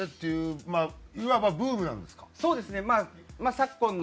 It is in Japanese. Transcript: いわばブームなんですか？